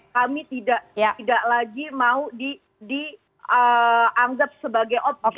kami tidak lagi mau dianggap sebagai objek